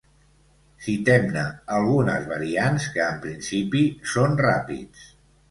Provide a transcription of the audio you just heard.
Citem-ne algunes variants, que en principi són ràpids.